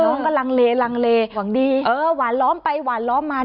น้องก็ลังเลลังเลหวังดีหวานล้อมไปหวานล้อมมา